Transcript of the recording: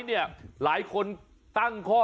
เนี่ยหลายคนตั้งข้อสังเกตว่า